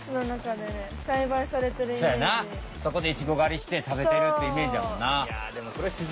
そこでイチゴがりしてたべてるってイメージやもんな。